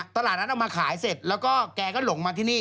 ตลาดนั้นเอามาขายเสร็จแล้วก็แกก็หลงมาที่นี่